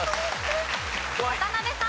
渡辺さん。